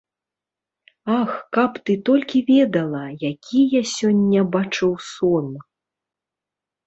Ах, каб ты толькi ведала, якi я сёння бачыў сон!..